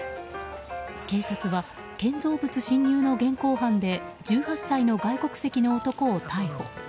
警察は、建造物侵入の現行犯で１８歳の外国籍の男を逮捕。